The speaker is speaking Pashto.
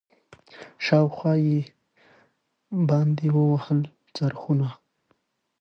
شاوخوا یې باندي ووهل څرخونه